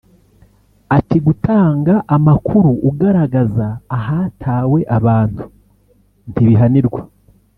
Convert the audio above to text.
Ati "Gutanga amakuru ugaragaza ahatawe abantu ntibihanirwa